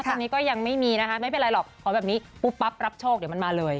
ตอนนี้ก็ยังไม่มีนะคะไม่เป็นไรหรอกขอแบบนี้ปุ๊บปั๊บรับโชคเดี๋ยวมันมาเลย